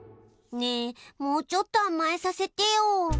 ねえもうちょっとあまえさせてよ。